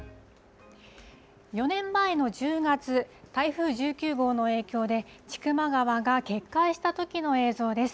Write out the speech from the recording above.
４年前の１０月、台風１９号の影響で、千曲川が決壊したときの映像です。